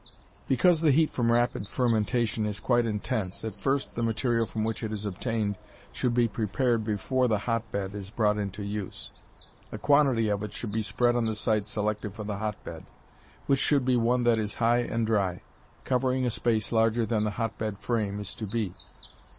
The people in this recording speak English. Because the heat from rapid fermentation is quite intense, at first the material from which it is obtained should be prepared before the hotbed is brought into use. A quantity of it should be spread on the site selected for the hotbed which should be one that is high and dry covering a space larger than the hotbed frame is to be.